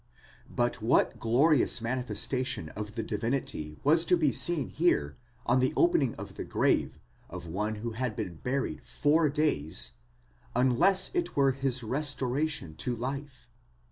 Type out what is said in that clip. But what glorious manifestation of the divinity was to be seen. here, on the opening of the grave of one who had been buried four days, unless it were his restoration to life?.